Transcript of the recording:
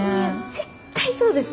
絶対絶対そうです。